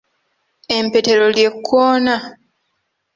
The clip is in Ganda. Empetero ly’Ekkoona.